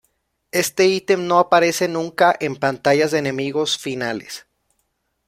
Este ítem no aparece nunca en pantallas de enemigos finales.